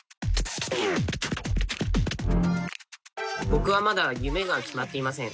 僕はまだ夢が決まっていません。